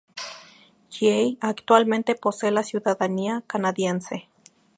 Yeh actualmente posee la ciudadanía canadiense.